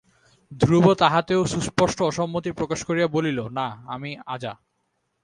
ধ্রুব তাহাতেও সুস্পষ্ট অসম্মতি প্রকাশ করিয়া বলিল, না, আমি আজা।